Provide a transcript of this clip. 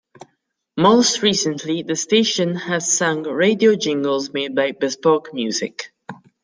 Most recently the station had sung radio jingles made by Bespoke Music.